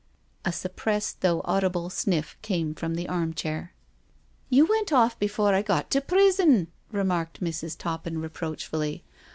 A suppressed^ though audible, sniff came from the arm chair. " You went off before I got to ' prison,' " remarked Mrs. Toppin reproachfully.